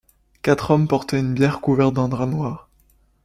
Quatre hommes portaient une bière couverte d’un drap noir.